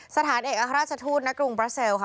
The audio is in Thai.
สถานเอกอาฆาตชาตุธนกรุงเบอร์เซลค่ะ